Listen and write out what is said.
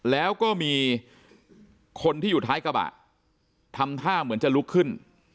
แล้วก็มีคนที่อยู่ท้ายกระบะทำท่าเหมือนจะลุกขึ้น